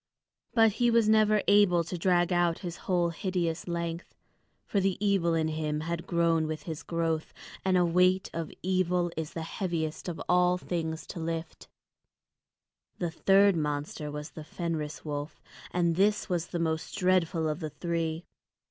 But he was never able to drag out his whole hideous length. For the evil in him had grown with his growth; and a weight of evil is the heaviest of all things to lift. The third monster was the Fenris wolf, and this was the most dreadful of the three.